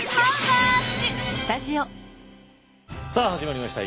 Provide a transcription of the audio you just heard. さあ始まりました。